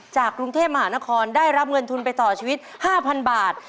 กรุงเทพมหานครได้รับเงินทุนไปต่อชีวิต๕๐๐๐บาท